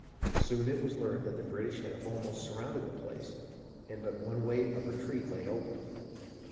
Soon it was learned that the British had almost sur rounded the place, and but one way of retreat lay open.